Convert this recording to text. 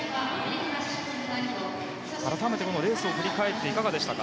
改めてレースを振り返っていかがでしたか？